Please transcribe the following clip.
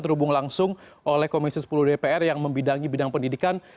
terhubung langsung oleh komisi sepuluh dpr yang membidangi bidang pendidikan